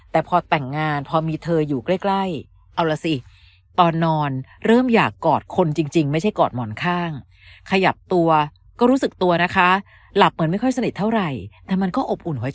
แต่พอแต่งงานเพราะมีเธออยู่ใกล้